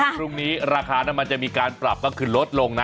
พรุ่งนี้ราคาน้ำมันจะมีการปรับก็คือลดลงนะ